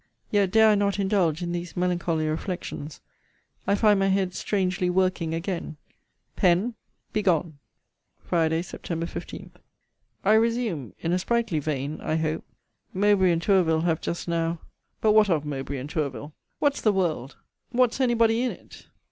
Yet dare I not indulge in these melancholy reflections. I find my head strangely working again Pen, begone! FRIDAY, SEPT. 15. I resume, in a sprightly vein, I hope Mowbray and Tourville have just now But what of Mowbray and Tourville? What's the world? What's any body in it?